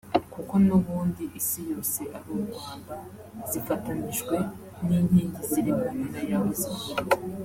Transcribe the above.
kuko nubundi Isi yose ari u-Rwanda) zifatanijwe n’inkingi ziri mu mpera y’aho zihurira